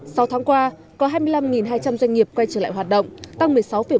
sau tháng qua có hai mươi năm hai trăm linh doanh nghiệp quay trở lại hoạt động tăng một mươi sáu bảy